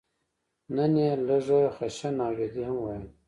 نن یې لږه خشنه او جدي هم وایم.